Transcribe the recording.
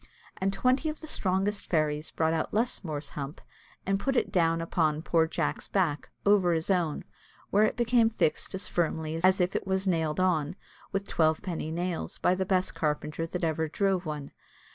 And twenty of the strongest fairies brought Lusmore's hump, and put it down upon poor Jack's back, over his own, where it became fixed as firmly as if it was nailed on with twelve penny nails, by the best carpenter that ever drove one.